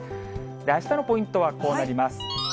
あしたのポイントはこうなります。